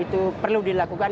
itu perlu dilakukan